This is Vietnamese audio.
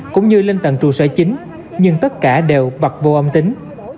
cũng như lên tầng trụ sở chính nhưng tất cả đều bật vô âm tính